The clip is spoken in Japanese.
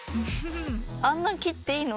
あんな切っていいの？